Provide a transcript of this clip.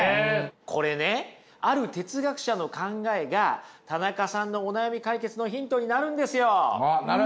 これねある哲学者の考えが田中さんのお悩み解決のヒントになるんですよ！